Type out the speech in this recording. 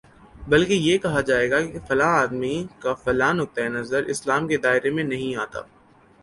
بلکہ یہ کہا جائے گا کہ فلاں آدمی کا فلاں نقطۂ نظر اسلام کے دائرے میں نہیں آتا